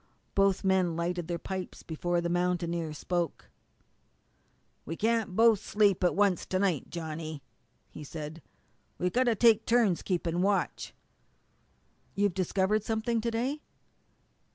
Both men lighted their pipes before the mountaineer spoke. "We can't both sleep at once to night, Johnny," he said. "We've got to take turns keeping watch." "You've discovered something to day?"